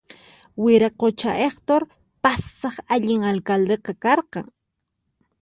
Wiraqucha Hector pasaq allin alcaldeqa karqan